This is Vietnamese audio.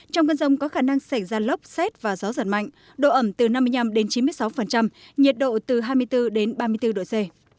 trong cơn rông có khả năng xảy ra lốc xét và gió giật mạnh độ ẩm từ năm mươi năm đến chín mươi sáu nhiệt độ từ hai mươi bốn đến ba mươi bốn độ c